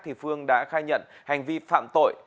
thì phương đã khai nhận hành vi phạm tội